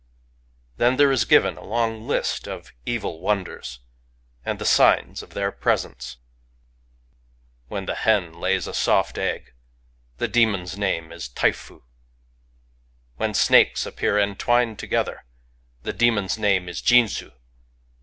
Then there is given a long list of evil Wonders, and the signs of their presence :—" fVhen the Hen lays a soft egg^ the demon* s name is Taifu. " fVhen snakes appear entwined together^ the demon* s name is Jinzu.